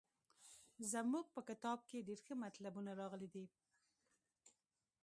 زموږ په کتاب کې ډېر ښه مطلبونه راغلي دي.